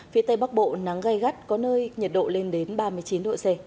phía tây bắc bộ nắng gai gắt có nơi nhiệt độ lên đến ba mươi chín độ c